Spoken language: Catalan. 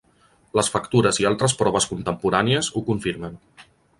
Les factures i altres proves contemporànies ho confirmen.